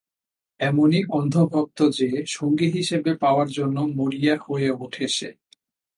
এমনই অন্ধভক্ত যে সঙ্গী হিসেবে পাওয়ার জন্য মরিয়া হয়ে ওঠে সে।